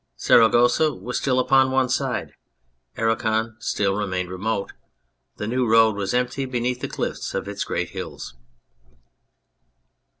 Saragossa was still upon one side ; Aragon still remained remote ; the new road was empty beneath the cliffs of its great hills.